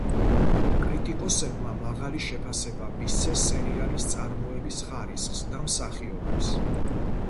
კრიტიკოსებმა მაღალი შეფასება მისცეს სერიალის წარმოების ხარისხს და მსახიობებს.